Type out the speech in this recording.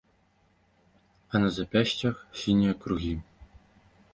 А на запясцях сінія кругі.